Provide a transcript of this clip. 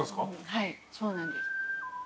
はいそうなんです。